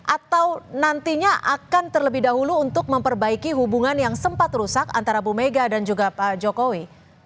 atau nantinya akan terlebih dahulu untuk memperbaiki hubungan yang sempat rusak antara bu mega dan juga pak jokowi